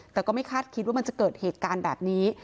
แต่ก็ไม่คาดคิดว่ามันจะเกิดเหตุการณ์แบบนี้